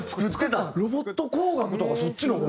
ロボット工学とかそっちの方？